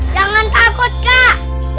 jangan takut kak